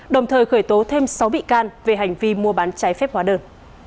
đồng thời khởi tố thêm sáu bị can về hành vi mua bán trái phép hóa đơn